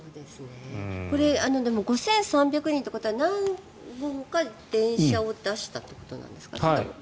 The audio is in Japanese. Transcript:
これ５３００人ということは何本か電車を出したってことですか。